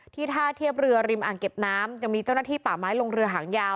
ท่าเทียบเรือริมอ่างเก็บน้ำยังมีเจ้าหน้าที่ป่าไม้ลงเรือหางยาว